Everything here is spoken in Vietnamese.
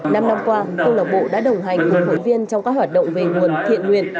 năm năm qua câu lạc bộ đã đồng hành cùng hội viên trong các hoạt động về nguồn thiện nguyện